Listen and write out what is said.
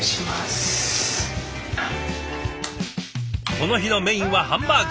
この日のメインはハンバーグ。